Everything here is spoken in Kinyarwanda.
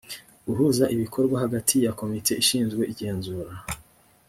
guhuza ibikorwa hagati ya komite ishinzwe igenzura